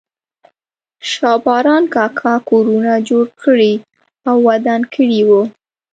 شا باران کاکا کورونه جوړ کړي او ودان کړي وو.